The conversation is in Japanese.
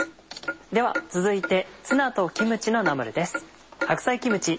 では続いてツナとキムチのナムルです。